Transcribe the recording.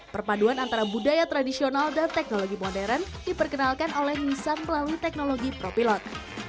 perpaduan antara budaya tradisional dan teknologi modern diperkenalkan oleh nisan melalui teknologi propilot